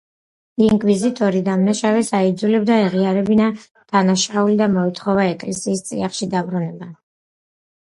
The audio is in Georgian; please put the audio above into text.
ინკვიზიტორი დამნაშავეს აიძულებდა, ეღიარებინა დანაშაული და მოეთხოვა ეკლესიის წიაღში დაბრუნება.